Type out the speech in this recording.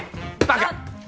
バカ！